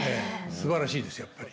すばらしいですよやっぱり。